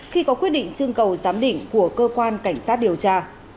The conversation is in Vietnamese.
khi có quyết định trưng cầu giám định của cơ quan cảnh sát điều tra